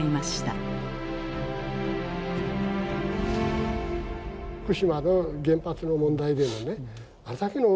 福島の原発の問題でもねあれだけの大きな問題が持ち上がった。